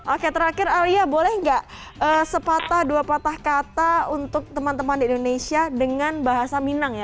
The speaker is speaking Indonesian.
oke terakhir alia boleh nggak sepatah dua patah kata untuk teman teman di indonesia dengan bahasa minang ya